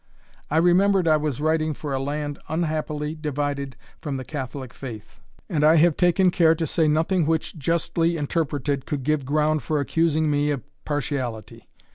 I remembered I was writing for a land unhappily divided from the Catholic faith; and I have taken care to say nothing which, justly interpreted, could give ground for accusing me of partiality.